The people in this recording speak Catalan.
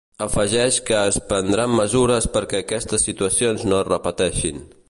Afegeix que es prendran mesures perquè aquestes situacions no es repeteixin.